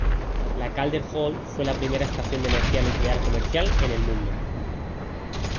La Calder Hall fue la primera estación de energía nuclear comercial en el mundo.